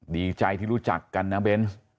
ดีใจที่รู้จักกันนะเบนส์